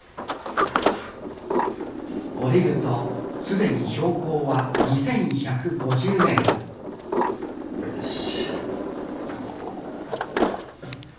降りると既に標高は２，１５０ｍよし。